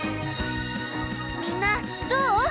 みんなどう？